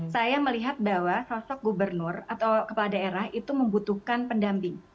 saya melihat bahwa sosok gubernur atau kepala daerah itu membutuhkan pendamping